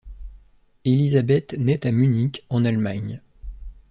Elisabeth naît à Munich, en Allemagne.